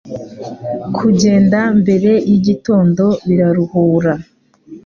Kugenda mbere yigitondo biraruhura.